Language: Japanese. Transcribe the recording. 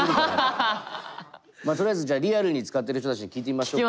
とりあえずじゃあリアルに使ってる人たちに聞いてみましょうか。